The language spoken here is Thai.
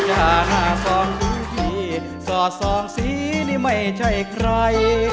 หน้าสองมือพี่สอดส่องสีนี่ไม่ใช่ใคร